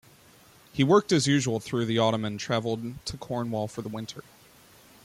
He worked as usual through the autumn and traveled to Cornwall for the winter.